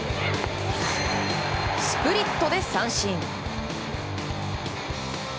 スプリットで三振。